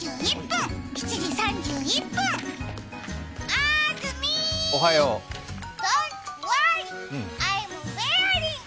あーずみー、ドント・ウォーリーアイム・ウェアリング。